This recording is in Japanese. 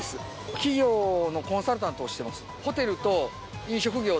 企業のコンサルタントをしています。